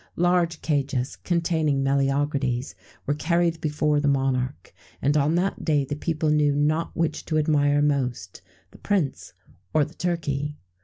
Large cages, containing meleagrides, were carried before the monarch, and on that day the people knew not which to admire most the prince or the turkey.